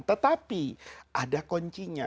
tetapi ada koncinya